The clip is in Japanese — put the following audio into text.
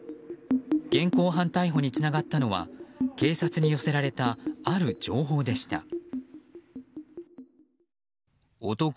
現行犯逮捕につながったのは警察に寄せられたある情報でした。